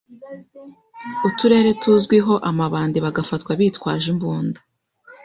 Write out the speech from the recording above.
uturere tuzwiho amabandibagafatwa bitwaje imbunda.